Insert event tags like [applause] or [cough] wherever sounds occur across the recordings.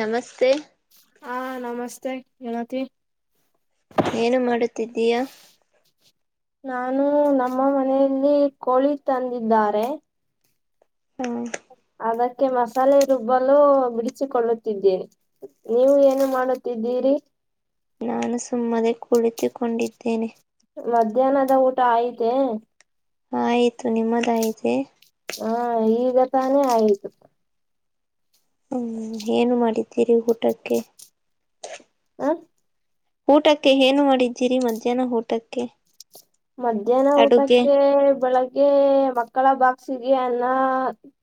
ನಮಸ್ತೆ ಹಾ ನಮಸ್ತೆ ಹೇಳತಿ ಏನು ಮಾಡುತ್ತಿದ್ದೀಯ ನಾನು ನಮ್ಮ ಮನೆಯಲ್ಲಿ ಕೋಳಿ ತಂದಿದ್ದಾರೆ ಹ ಅದ ಅಕೆ ಮಸಾಲೆ ರುಬ್ಬಲು ಬಿಡಿಸಿಕೊಳ್ಳುತ್ತಿದ್ದೀರಿ ನೀವು ಏನು ಮಾಡುತ್ತಿದ್ದೀರಿ ನಾನು ಸುಮ್ಮನೆ ಕುಳಿತುಕೊಂಡಿದ್ದೇನೆ ಮಧ್ಯಾಹ್ನದ ಊಟ ಆಐತೆ ಹ ಆಯ್ತು ನಿಮ್ಮದಯ್ತೆ ಹಾ ಈಗ ತಾನೇ ಆಯ್ತು ಹ್ಮ ಏನು ಮಾಡಿದ್ದೀರಿ ಊಟಕ್ಕೆ ಹ ಊಟಕ್ಕೆ ಏನು ಮಾಡಿದ್ದೀರಿ ಮಧ್ಯಾಹ್ನ ಊಟಕ್ಕೆ ಮಧ್ಯಾಹ್ನ ಅಡುಗೆ ಊಟಕ್ಕೆ ಬೆಳಗ್ಗೆ ಮಕ್ಕಳ ಬಕ್ ಹಕ್ಸಿಗೆ ಅನ್ನ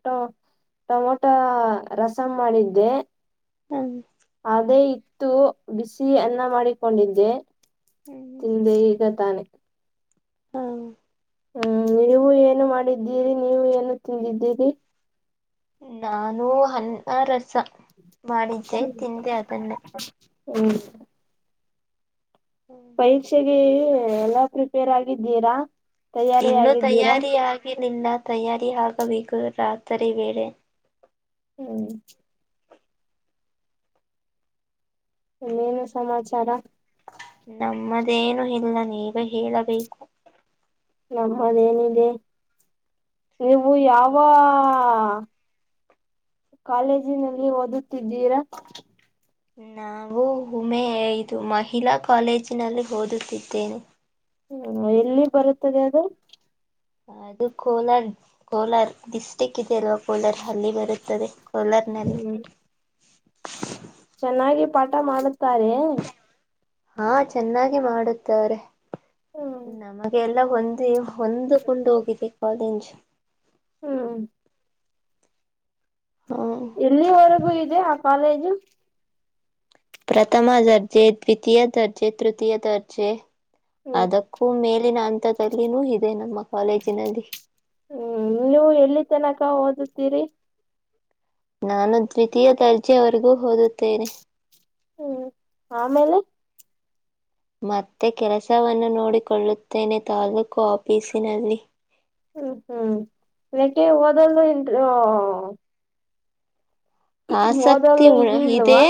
ಟೊಮೊಟೊ ರಸಂ ಮಾಡಿದ್ದೆ ಹ್ಮ್ ಅದೇ ಇತ್ತು ಬಿಸಿ ಅನ್ನ ಮಾಡಿಕೊಂಡಿದ್ದೆ ಹ್ಮ್ ತಿಂದೆ ಈಗ ತಾನೆ ಹಾ ಹ್ಮ್ ನೀವು ಏನು ಮಾಡಿದ್ದೀರಿ ನೀವು ಏನು ತಿಂದಿದ್ದೀರಿ ನಾನು ಅನ್ನ ರಸ ಮಾಡಿದ್ದೆ ತಿಂದೆ ಅದನ್ನೇ ಹ್ಮ ಪರೀಕ್ಷೆಗೆ ಎಲ್ಲಾ ಪ್ರಿಪೇರ್ ಆಗಿದ್ದೀರಾ ತಯಾರಿ ಇನ್ನುೂ ಆಗಿದ್ದೀರಾ ತಯಾರಿ ಆಗಲಿಲ್ಲ ತಯಾರಿ ಆಗಬೇಕು ರಾತ್ರಿ ವೇಳೇಳೆ ಹ್ಮ್ ಇನ್ನೇನು ಸಮಾಚಾರ ನಮ್ಮದೇನು ಇಲ್ಲ ನೀವೇ ಹೇಳಬೇಕು ನಮ್ಮದೇನಿದೆ ನೀವು ಯಾವ ಕಾಲೇಜಿನಲ್ಲಿ ಓದುತ್ತಿದ್ದೀರಾ ನಾನು ಉಮೆ ಐದು ಮಹಿಳಾ ಕಾಲೇಜಿನಲ್ಲಿ ಓದುತ್ತಿದ್ದೇನೆ ಹ್ಮ್ ಎಲ್ಲಿ ಬರುತ್ತದೆ ಅದು ಅದು ಕೋಲಾರ್ ಕೋಲಾರ್ ಡಿಸ್ಟಿಕ್ ಇದೆ ಅಲ್ವಾ ಕೋಲಾರ ಹಲ್ಲಿ ಬರುತ್ತದೆ ಸಲಾರನಲ್ಲಿ ಹ್ಮ್ ಚೆನ್ನಾಗಿ ಪಾಠ ಮಾಡುತ್ತಾರೆ ಹಾ ಚೆನ್ನಾಗಿ ಮಾಡುತ್ತಾರೆ ಹ್ಮ್ ನಮಗೆಲ್ಲ ಹೊಂದು ಹೊಂದಕೊಂಡು ಹೋಗಿದೆ ಕಾಲೇಜ್ ಹ್ಮ ಹ ಎಲ್ಲಿವರೆಗೂ ಇದೆ ಆ ಕಾಲೇಜು ಪ್ರಥಮ ದರ್ಜೆ ದ್ವಿತೀಯ ದರ್ಜೆ ತೃತೀಯ ದರ್ಜೆ ಹ್ಮ್ ಅದಕ್ಕೂ ಮೇಲೆ ನಾನು ದಲ್ಲಿನೂ ಇದೆ ನನ್ನ ಮಕ್ಕ ಹ್ಮ್ ನೀವು ಎಲ್ಲಿ ತನಕ ಓದುತ್ತೀರಿ ನಾನು ದ್ವಿತೀಯ ದರ್ಜೆವರೆಗೂ ಓದುತ್ತೇನೆ ಹ್ಮ್ ಆಮೇಲೆ ಮತ್ತೆ ಕೆಲಸವನ್ನು ನೋಡಿಕೊಳ್ಳುತ್ತೇನೆ ತಾಲೂಕು ಆಫೀಸಿನಲ್ಲಿ ಹ್ಮ್ ಹ್ಮ್ ಯಾಕೆ ಓದಲ್ ಇಂ ಆಸಕ್ತಿ ಉ ಇದು ಇದದೆ ಇಲ್ವಾ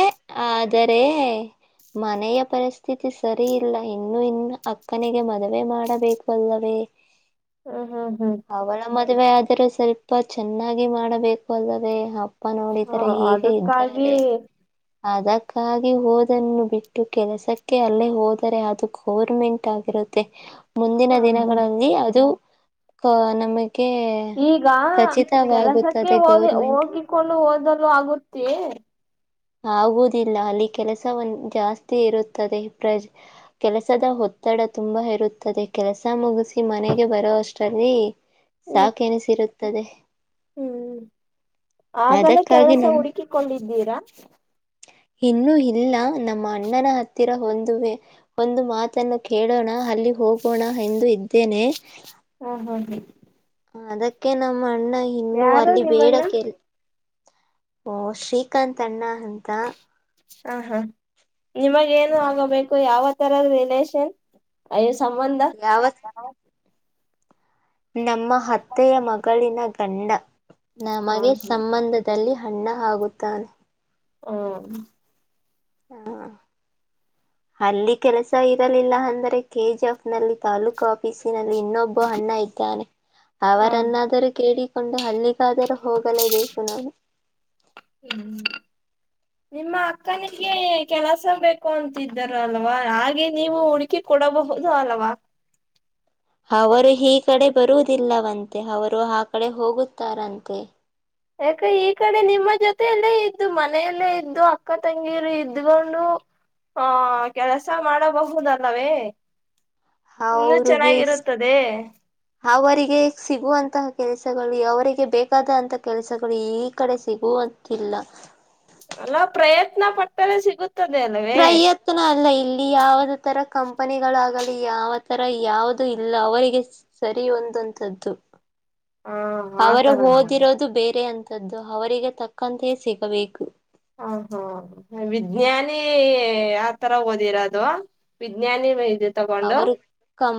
ಆದರೆ ಮನೆಯ ಪರಿಸ್ಥಿತಿ ಸರಿ ಇಲ್ಲ ಇನ್ನುೂ ಇನ್ನು ಅಕ್ಕನಿಗೆ ಮದುವೆ ಮಾಡಬೇಕು ಅಲ್ಲವೇ [unintelligible] ಹ್ಮ ಹ್ಮ್ ಹ್ಮ್ ಅವಳ ಆದರೂ ಸ್ವಲ್ಪ ಚೆನ್ನಾಗಿ ಮಾಡಬೇಕು ಅಲ್ಲವೇ ಅಪ್ಪ ನೋಡಿದ ತರ ಹೀಗೆ ಅದಕ್ಕಾಗಿ ಇದ್ದಾರೆ ಅದಕ್ಕಾಗಿ ಹಓದನ್ನು ಬಿಟ್ಟು ಕೆಲಸಕ್ಕೆ ಅಲ್ಲೇ ಹೋದರೆ ಅದು ಗೋರ್ಮೆಂಟ್ ಆಗಿರುತ್ತೆ ಮುಂದಿನ ಹ ಹ ದಿನಗಳಲ್ಲಿ ಅದು ನಮ ಈಗ ಕೆಲಸಕ್ಕೆ ಹದ ಗೌರ್ಮೆಂಟ್ ಹೋಗಿಕೊಂಡು ಓದಲು ಆಗುತ್ತ ತಿದೆ ಆಗುವುದಿಲ್ಲ ಅಲ್ಲಿ ಕೆಲಸ ಜಾಸ್ತಿ ಇರುತ್ತದೆ ಪ್ರಜ್ ಕೆಲಸದ ಹೊತ್ತು ಒತ್ತಡ ತುಂಬಾ ಇರುತ್ತದೆ ಕೆಲಸ ಮುಗಿಸಿ ಮನೆಗೆ ಬರೋ ಅಷ್ಟಲ್ಲಿ ಹ್ಮ್ ಸಾಕೆನಿಸಿರುತ್ತದೆ ಹ್ಮ್ ಆಗಲೇ ಅದಕ್ಕಾಗಿ ಕೆಲಸ ನಮ್ ಹುಡುಕಿಕೊಂಡಿದ್ದೀರಾ ಇನ್ನುೂ ಇಲ್ಲ ನಮ್ಮ ಅಣ್ಣನ ಹತ್ತಿರ ಒಂದು ವೇ ಒಂದು ಮಾತನ್ನು ಕೇಳೋಣ ಅಲ್ಲಿ ಹೋಗೋಣ ಎಂದು ಇದ್ದೇನೆ ಹ ಹ ಅದಕ್ಕೆ ನ ಮ್ಮ ಅಣ್ಣ ಇನ್ನುೂ ಯಾರು ಅಲ್ಲಿ ನಿಮ್ಮಣ್ಣ ಬೇಡಕಲ್ಲಿ ಓ ಶ್ರೀಕಾಂತ್ ಅಣ್ಣ ಅಂತ ಹಾ ಹಾ ನಿಮಗ ಏನು ಆಗೋಬೇಕು ಯಾವ ತರದ ರಿಲೇಷನ್ಯಸ್ ಸಂಬಂಧ ಯಾವ ನಮ್ಮ ಅತ್ತೆಯ ಮಗಳಿನ ಗಂಡ ನಮಗೆ ಹ ಸಂಬಂಧದಲ್ಲಿ ಅಣ್ಣ ಆಗುತ್ತಾನೆ ಹ್ಮ ಹಾ ಅಲ್ಲಿ ಕೆಲಸ ಇರಲಿಲ್ಲ ಅಂದ್ರರೆ ಕೆಜಿಎಫ್ ನಲ್ಲಿ ತಾಲೂಕು ಆಫೀಸಿನಲ್ಲಿ ಇನ್ನೊಬ್ಬ ಅಣ್ಣ ಇದ್ದಾನೆ ಹ ಅವರನ್ನಾದರೂ ಕೇಳಿಕೊಂಡು ಅಲ್ಲಿ ದರ ಹೋಗಲೇಬೇಕು ನಾವು ಹ ನಿಮ್ಮ ಅಕ್ಕನಿಗೆ ಕೆಲಸ ಬೇಕು ಅಂತಿದ್ದರಲ್ವಾ ಹಾಗೆ ನೀವು ಹುಡುಕಿ ಕೊಡ ಹಬಹುದು ಅಲ್ವಾ ಅವರು ಈ ಕಡೆ ಬರುವುದಿಲ್ಲವಂತೆ ಅವರು ಆ ಕಡೆ ಹೋಗುತ್ತಾರಂತೆ ಯಾಕ ಈ ಕಡೆ ನಿಮ್ಮ ಜೊತೆಯಲ್ಲೇ ಇದ್ದು ಮನೆಯಲ್ಲೇ ಇದ್ದು ಅಕ್ಕ ತಂಗೀರು ಇದ್ಕೊಂಡು ಹಾ ಕೆಲಸ ಮಾಡಬಹುದಲ್ಲವೇ ಇನ್ನುೂ ಅವ್ರಿಗೆ ಚೆನ್ನಾಗಿರುತ್ತದೆ ಅವರಿಗೆ ಸಿಗುವಂತಹ ಕೆಲಸಗಳು ಅವರಿಗೆ ಬೇಕಾದಂತಹ ಕೆಲಸಗಳು ಈ ಕಡೆ ಸಿಗು ಹೊತ್ತಿಲ್ಲ ಅಲ ಪ್ರಯತ್ನ ಪಟ್ಟರೆ ಸಿಗುತ್ತೆ ಪ್ರಯತ್ನ ಅಲ್ಲ ಇಲ್ಲಿ ಯಾಾವದ ತರ ಕಂಪನಿಗಳಾಗಲಿ ಯಾವ ತರ ಯಾವುದು ಇಲ್ಲ ಅವರಿಗೆ ಸರಿ ಹ ಅವರು ಆತರನ ಹಓದಿರೋದು ಬೇರೆ ಅಂತ ಅವರಿಗೆ ತಕ್ಕಂತೆಯೇ ಸಿಗಬೇಕು ಹ ಹಾ ವಿಜ್ಞಾನಿ ಆ ತರ ಓದಿರ ಅದು ವಿಜ್ಞಾನಿ ಇದು ತಗೊಂಡು ಅವರು ಕಂ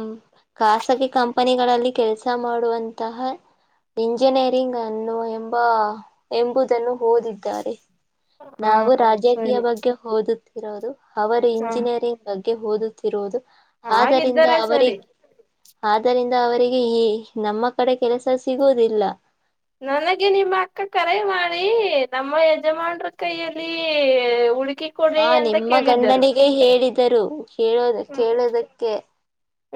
ಖಾಸಗಿ ಕಂಪನಿಗಳಲ್ಲಿ ಕೆಲಸ ಮಾಡುವಂತಹ. ಇಂಜಿನಿಯರಿಂಗ್ ಅನ್ನು ಎಂಬ ಎಂಬುದನ್ನು ಓದಿದ್ದಾರೆ. ಹ ನಾವು ರಾಜಕೀಯ ಸರಿ ಬಗ್ಗೆ ಓದುತ್ತಿರೋದು ಅವರು ಹ ಇಂಜಿನಿಯರಿಂಗ್ ಬಗ್ಗೆ. ಓದುತ್ತಿರುವುದು. ಆದ್ದರಿಂದ ಹಾಗಿದ್ದರೆ ಸರಿ ಅವರಿಗೆ, ಆದ್ದರಿಂದ ಅವರಿಗೆ ಈ ನಮ್ಮ ಕಡೆ ಕೆಲಸ ಸಿಗುವುದಿಲ್ಲ. ನನಗೆ ನಿಮ್ಮ ಅಕ್ಕ ಕರೆ ಮಾಡಿ ನಮ್ಮ ಯಜಮಾನರ ಕೈಯಲ್ಲಿ ಹ [unintelligible] ಹಾ ನಿಮ್ಮ ಗಂಡನಿಗೆ ಹೇಳಿದರು. ಕೇಳೋ ಹ್ಮ್ ಕೇಳೋದಕ್ಕೆ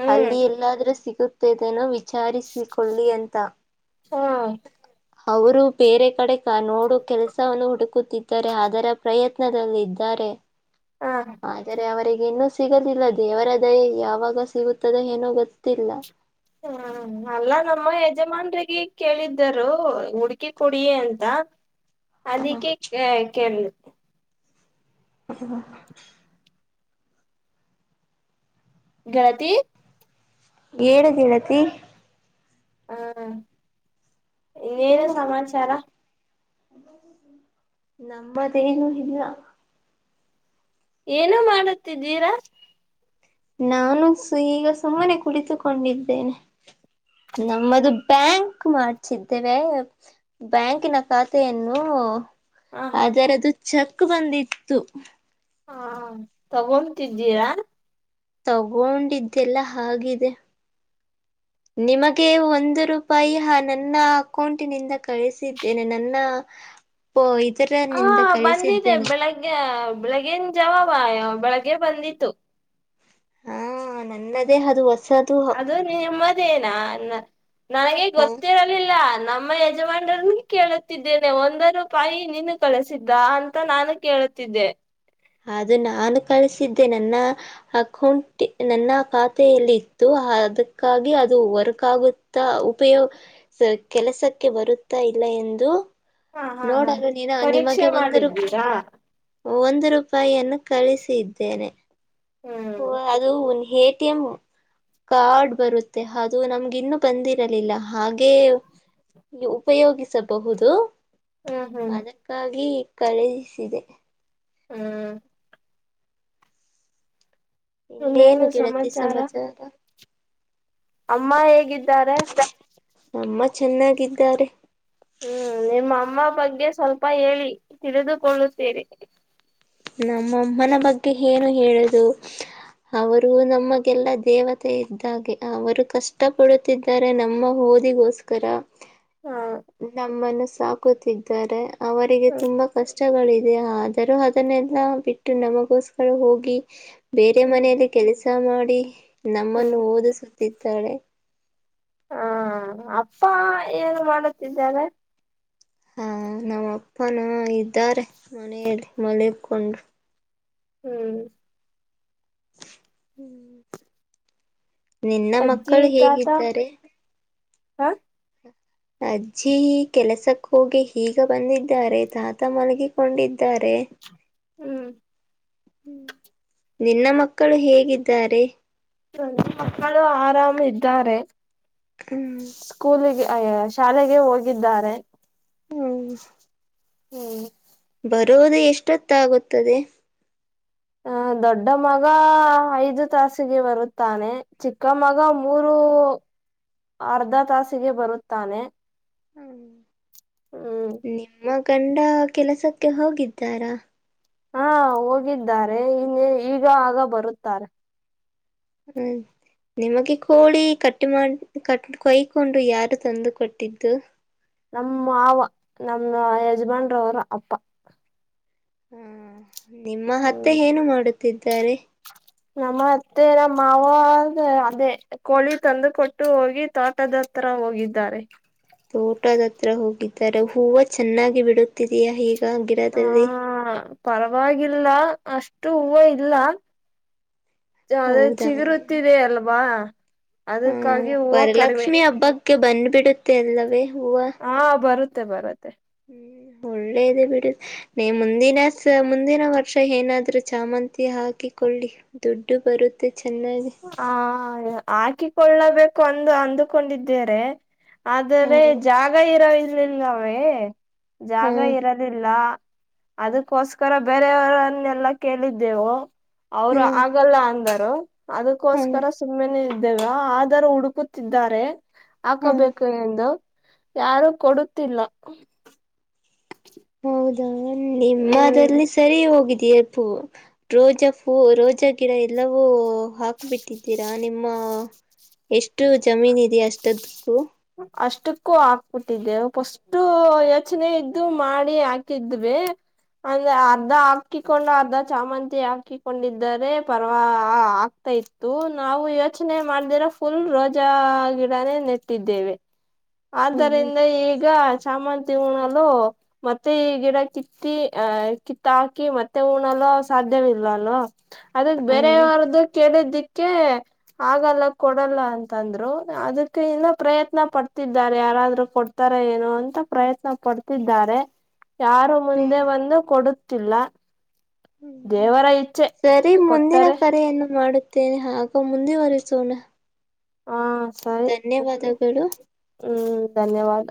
ಹ್ಮ್ ಅಲ್ಲಿ ಎಲ್ಲಾದ್ರೆ ಸಿಗುತ್ತೇದನೋ ವಿಚಾರಿಸಿಕೊಳ್ಳಿ ಅಂತ. ಹಾ ಅವರು ಬೇರೆ ಕಡೆ ನೋಡು ಕೆಲಸವನ್ನು ಹುಡುಕುತ್ತಿದ್ದಾರೆ ಅದರ ಪ್ರಯತ್ನ. ದಲ್ಲಿದ್ದಾರೆ ಹ ಆದರೆ ಅವರಿಗೆ ಇನ್ನು ಸಿಗಲಿಲ್ಲ ದೇವರ ದಯ ಯಾವಾಗ ಸಿಗುತ್ತದೆ ಏನೋ ಗೊತ್ತಿಲ್ಲ. ಹ್ಮ್ ಅಲ್ಲಾ ನಮ್ಮ ಯಜಮನ್ರಿಗ ಹಿ ಕೇಳಿದ್ದರು ಹುಡುಕಿ ಕೊಡಿಯೀ ಅಂತ. ಅದಕ್ಕೆ ಕೇಳ [unintelligible] ಗೆಳತಿ ಹೇಳ ಗೆಳತಿ ಹ್ಮ ಏನು ಬೇಗ ಬರ್ತೀಯ ಸಾಮಚಾರ ನಮ್ಮದೇನು ಇಲ್ಲಾ. ಏನು ಮಾಡುತ್ತಿದ್ದೀರಾ. ನಾನು ಸಿ ಈಗ ಸುಮ್ಮನೆ ಕುಳಿತುಕೊಂಡಿದ್ದೇನೆ. ನಮ್ಮದು ಬ್ಯಾಂಕ್ ಮಾಡ್ಸಿದ್ದೇನೆ ಬ್ಯಾಂಕಿನ ಖಾತೆಯನ್ನು. ಹ ಹಾ ಆದರೆ ಅದು ಚಕ್ ಬಂದಿತ್ತು ಹಾ ತಗೊಂತಿದ್ದೀಯಾ. ತಗೊಂಡಿದ್ದೆಲ್ಲ ಹಾಗಿದೆ. [inaudible] ನಿಮಗೆ ಒಂದು ರೂಪಾಯಿ ನನ್ನ ಅಕೌಂಟಿನಿಂದ ಕಳಿಸಿದ್ದೇನೆ ನನ್ನ. ಹೊ ಇದ ಹಾ ಬಂದಿದೆೆ ಬೆಳಿಗ್ಗೆ. ಬೆಳಗ್ಗೇನ್ ಜವಾವ ಬೆಳಗ್ಗೆ ಬಂದಿತ್ತು. ಹಾ ನನ್ನದೇ ಅದು ವಸ ಅದು ನಿಮ್ಮದೇನ ನನಗೆ ಹಾ ಗೊತ್ತಿರಲಿಲ್ಲ. ನಮ್ಮ ಯಜಮಾನರ ಕೇಳುತ್ತಿದ್ದೇನೆ ಒಂದ ರೂಪಾಯಿ ನೀನು ಕಳಿಸಿದ್ದ ಅಂತ ನಾನು ಕೇಳ ಹೆಳತ್ತಿದ್ದೆ ಅದು ನಾನು ಕಳಿಸಿದ್ದೆ ನನ್ನ ಅಕೌಂಟ್ ನನ್ನ ಖಾತೆಯಲ್ಲಿತ್ತ. ಅದಕ್ಕಾಗಿ ಅದು ವರಕಾಗುತ್ತಾ ಉಪಯೋಗ ಕೆಲಸಕ್ಕೆ ಬರುತ್ತಾ ಇಲ್ಲವ. ಲ್ಲ ಎಂದು ಹಾ ಹಾ ಹಾ ನೋಡಲ್ಲ ನೀನ ಪರೀಕ್ಷೆ ನಿಮಗೆ ಒಂದು. ಮಾಡಿದ್ದೀರಾ ಒಂದು ರೂಪಾಯಿಯನ್ನು ಕಳಿಸಿದ್ದೇನೆ ಹ್ಮ್ ವ ಅದು. ಎ ಟಿ ಎಂ ಕಾರ್ಡ್ ಬರುತ್ತೆ ಅದು ನಮ್ಗೆ ಇನ್ನುೂ ಬಂದಿರಲಿಲ್ಲ. ಹಾಗೆ ಉಪಯೋಗಿಸಬಹುದು ಹ್ಮ್ ಹ್ಮ್ ಅದಕ್ಕಾಗಿ ಕಳುಹಿಸಿದೇ. ಹ್ಮ್ ಇನ್ನೇನು ಗೆಳತಿ ಸಮಚಾರ ಅಮ್ಮ ಹೇಗಿದ್ದಾರೆ. ನಮ್ಮ ಚೆನ್ನಾಗಿದ್ದಾರೆ. ಹ್ಮ್ ನಿಮ್ಮ ಅಮ್ಮ ಬಗ್ಗೆ ಸ್ವಲ್ಪ ಹೇಳಿ ತಿಳಿದುಕೊಳ್ಳುತೆನೆ ನಮ್ಮಮ್ಮನ ಬಗ್ಗೆ ಏನು ಹೇಳುದು. ಅವರು ನಮಗೆಲ್ಲಾ ದೇವತೆ ಇದ್ದಾಗೆ ಅವರು ಕಷ್ಟ ಪಡುತ್ತಿದ್ದಾರೆ ನಮ್ಮ ಹ ಗೋದಿಗೋಸ್ಕರ ಹಾ ನಮ್ಮನ್ನು ಸಾಕುತ್ತಿದ್ದಾರೆ ಅವರಿಗೆ ಹ್ಮ್ ತುಂಬಾ ಕಷ್ಟ ಪಚಗಳಿದೆ ಆದರೂ ಅದನ್ನೆಲ್ಲಾ ಬಿಟ್ಟು ನಮಗೋಸ್ಕರ ಹೋಗಿ ಬೇರೆ ಹ್ಮ್ ಮನೆಯಲ್ಲಿ ಕೆಲಸ ಮಾಡಿ ನಮ್ಮನ್ನು ಹ್ಮ್ ಓದಿಸುತ್ತಿದ್ದಾಳೆ ಹಾ ಅಪ್ಪ ಏನು ಮಾಡುತ್ತಿದ್ದಾರೆ ಹಾ ನಮ್ಮಪ್ಪನ ಇದ್ದಾರೆ ಮನೆಯಲ್ಲಿ ಮಲಕೊಂಡ್ರು ಹ್ಮ್ ಹ್ಮ ನಿನ್ನ ಅಜ್ಜಿ ಮಕ್ಕಳು ತಾತ ಹೇಗಿದ್ದಾರೆ ಹ ಅಜ್ಜಿ ಈ ಕೆಲಸಕ್ಕೋಗಿ ಹೀಗ ಬಂದಿದ್ದಾರೆ ತಾತ ಮಲಗಿಕೊಂಡಿದ್ದಾರೆ ಹ್ಮ ಹ್ಮ್ ಹ್ಮ ನಿನ್ನ ಮಕ್ಕಳು ಹೇಗಿದ್ದಾರೆ ನನ್ನ ಮಕ್ಕಳು ಆರಾಮ್ ಇದ್ದಾರೆ ಹ್ಮ್ ಅ ಶಾಲೆಗೆ ಹೋಗಿದ್ದಾರೆ ಹ್ಮ್ ಹ್ಮ್ ಬರೋದು ಎಷ್ಟೊತ್ತ ಆಗುತ್ತದೆ ಹ ದೊಡ್ಡ ಮಗ ಐದು ತಾಸಿಗೆ ಬರುತ್ತಾನೆ ಚಿಕ್ಕ ಮಗ ಮೂರು ಅರ್ಧ ತಾಸಿಗೆ ಬರುತ್ತಾನೆ ಹ್ಮ್ ನಿಮ್ಮ ಗಂಡ ಕೆಲಸಕ್ಕೆ ಹೋಗಿದ್ದಾರಾ ಹಾ ಹೋಗಿದ್ದಾರೆ ಇನ್ನ ಈಗ ಆಗ ಬರುತ್ತಾರೆ ಹ್ಮ ನಿಮಗೆ ಕೋಳಿ ಕಟ್ಟಿ ಮಾಡ ಕಟ್ ಕೈಕೊಂಡು ಯಾರು ತಂದು ಕೊಟ್ಟಿದ್ದು ನಮ್ಮ ಮಾವ ನಮ್ಮ ಯಜಮಾಂಡ್ರವ್ರ ಅಪ್ಪ ಹಾ ನಿಮ್ಮ ಹತ್ತೆ ಹ್ಮ್ ಏನು ಮಾಡುತ್ತಿದ್ದಾರೆ ನಮ್ಮ ಅತ್ತೆರ ಮಾವದ ಅದೇ ಕೋಳಿ ತಂದು ಕೊಟ್ಟು ಹೋಗಿ ತೋಟದ ಹತ್ರ ಹೋಗಿದ್ದಾರೆ ತೋಟದತ್ರ ಹೋಗಿದ್ದಾರೆ ಹೂವು ಚೆನ್ನಾಗಿ ಬಿಡುತ್ತಿದೆಯಾ ಹೀಗೆ ಹಾ ಪರವಾಗಿಲ್ಲ ಅಷ್ಟು ಹೂವು ಇಲ್ಲ ಯದೇ ಹೌದಾ ಚಿಗರುತ್ತಿದೆ ಅಲ್ವಾ ಹಾ ಅದಕ್ಕಾಗಿ ಹೂವ ಕಡಿಮೆ ವರಲಕ್ಷ್ಮಿ ಹಬ್ಬಕ್ಕೆ ಬಂದ್ಬ ಬಿಡುತ್ತೆ ಅಲ್ಲವೇ ಹೂವ ಹಾ ಬರುತ್ತೆ ಬರುತ್ತೆ ಹ್ಮ್ ಹ ಒಳ್ಳೇದ ಬಿಡು ಮುಂದಿನ ಮುಂದಿನ ವರ್ಷ ಏನಾದ್ ಚಾಮಂತಿ ಹಾಕಿಕಳ್ಳಿ ದುಡ್ಡು ಬರುತ್ತೆ ಚೆನ್ನಾಗಿ ಹ ಹಾಕಿಕೊಳ್ಳಬೇಕು ಅಂದು ಅಂದುಕೊಂಡಿದ್ದೇರೆ ಆದರೆ ಹ್ಮ್ ಜಾಗ ಇರದರ್ಲಿಲ್ಲವೇ ಜಾಗ ಹ್ಮ್ ಇರೋದಿಲ್ಲ ಅದಕ್ಕೋಸ್ಕರ ಬೇರೆಯವರನ್ನೆಲ್ಲ ಕೇಳಿದ್ದೆವು ಅವರು ಹ್ಮ್ ಆಗಲ್ಲ ಅಂದರು ಹ್ಮ್ ಅದಕ್ಕೋಸ್ಕರ ಸುಮ್ಮನೆ ಆದರ ಹುಡುಕುತ್ತಿದ್ದಾರೆ ಹ್ಮ್ ಹಾಕಬೇಕು ಎಂದು ಯಾರು ಕೊಡುತ್ತಿಲ್ಲ ಹ್ಮ್ ನಿಮ್ಮಲ್ಲಿ ಸರಿ ಹೋಗಿದ್ದ ತರ್ಪು ರೋಜಾ ಪೂ ರೋಜಾ ಗಿಡ ಎಲ್ಲವೂ ಹಾಕ್ಬಿಟ್ಟಿದ್ದೀರಾ ನಿಮ್ಮ ಹ ಎಷ್ಟು ಜಮೀನ ಇದೆ ಅಷ್ಟದಕ್ಕೂ ಅಷ್ಟಕ್ಕೂ ಹಾಕ್ಬಿಟ್ಟಿದ್ದೆವು ಪಫಸ್ ಯೋಚನೆ ಇದ್ದು ಮಾಡಿ ಹಾಕಿದ್ವಿ ಅಂದ್ರೆ ಅರ್ಧ ಹಾಕಿಕೊಂಡು ಅರ್ಧ ಚಾಮಂತಿ ಹಾಕಿಕೊಂಡಿದರೆ ಪರ್ವಾ ಇತತ್ತು ನಾವು ಯೋಚನೆ ಮಾಡ್್ದರ ಫುಲ್ ರಜ ಗಿಡನೇ ನೆಟ್ಟಿದ್ದೇವೆ ಹ್ಮ್ ಆದ್ದರಿಂದ ಈಗ ಸಾಮ ಉಣಲ್ಲ ಮತ್ತೆ ಈ ಗಿಡ ಕಿತ್ತಿ ಆ ಕಿತ್ತ ಹಾಕಿ ಮತ್ತೆ ಹಣಲ್ಲ ಸಾಧ್ಯ ಇದ್ದೇ ಇಲ್ವಾ ಅಲ್ವಾ ಅದದ ಬೇರ ಹ್ಮ್ ಯಾರ್ದು ಕೇಳಿದ್ದಿಕ್ಕೆ ಆಗಲ್ಲ ಕೊಡಲ್ಲ ಅಂತ ಅಂದ್ರು ಅದಕ್ಕೆ ಇನ್ನ ಪ್ರಯತ್ನ ಪಡ್ತಿದ್ದಾರೆ ಯಾರಾದ್ರು ಕೊಡ್ತಾರ ಏನೋ ಅಂತ ಪ್ರಯತ್ನ ಪ ಕೊಡ್ತಿದ್ದಾರೆ ಯಾರು ಹ್ಮ್ ಮುಂದೆ ಬಂದು ಕೊಡುತ್ತಿಲ್ಲ ಹ್ಮ್ ದೇವರ ಇಚ್ಛೆ ಸರಿ ಮುಂದಿನ ಕೊಟ್ಟರೆ ಕರೆಯನ್ನು ಮಾಡ ತ್ತೇನೆ ಹಾಗಮುಂದೆ ವರಿಸೋಣ ಹಾ ಸರಿ ಹ್ಮ್ ಧನ್ಯವಾದ